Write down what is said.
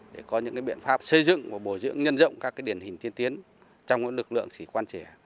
để có những biện pháp xây dựng và bồi dưỡng nhân rộng các điển hình tiên tiến trong lực lượng sĩ quan trẻ